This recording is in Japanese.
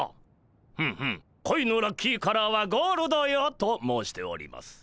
ふむふむ「恋のラッキーカラーはゴールドよ」と申しております。